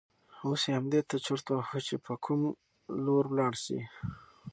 اوس یې همدې ته چرت واهه چې په کوم لور ولاړ شي.